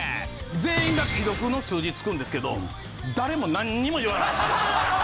全員が既読の数字つくんですけど誰も何にも言わないんですよ。